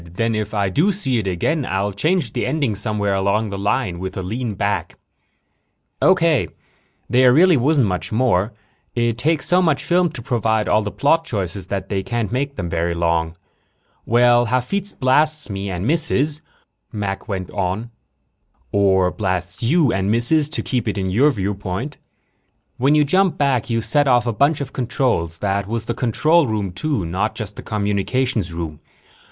Then if I do see it again I'll change the ending somewhere along the line with a lean back." "Okay. There really wasn't much more. It takes so much film to provide all the plot choices that they can't make them very long. "Well, Hafitz blasts me and misses," Mac went on, " or blasts you and misses, to keep it in your viewpoint. When you jump back, you set off a bunch of controls. That was the control room, too, not just the communications room.